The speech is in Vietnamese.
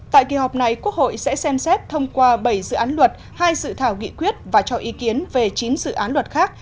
tại kỳ họp này quốc hội sẽ xem xét thông qua bảy dự án luật hai dự thảo nghị quyết và cho ý kiến về chín dự án luật khác